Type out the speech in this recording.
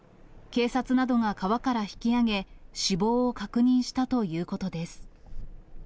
警察などが川から引き上げ、死亡を確認したということです。